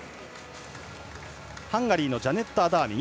ハンガリーのジャネット・アダーミ。